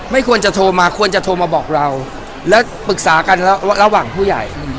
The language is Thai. เป็นระหว่างผู้ใหญ่